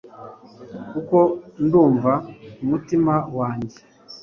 kuko ndumva umutima wanjye